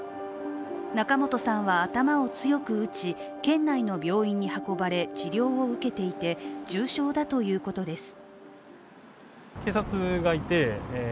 仲本さんは頭を強く打ち、県内の病院に運ばれ治療を受けていて、重傷だということです。